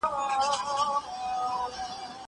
سینه سپين د کتابتوننۍ له خوا کيږي!